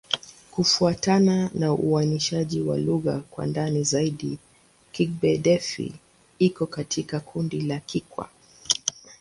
Kufuatana na uainishaji wa lugha kwa ndani zaidi, Kigbe-Defi iko katika kundi la Kikwa.